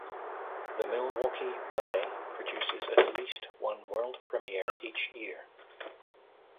The Milwaukee Ballet produces at least one world premiere each year.